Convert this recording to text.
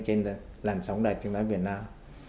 trên làn sóng đài truyền hình việt nam